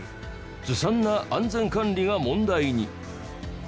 ずさんな安全管理が問題に。